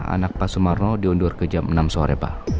anak pak sumarno diundur ke jam enam sore pak